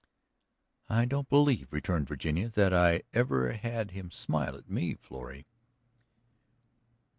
"I don't believe," returned Virginia, "that I ever had him smile at me, Florrie."